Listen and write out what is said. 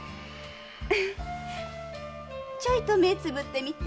ちょいと目つぶってみて。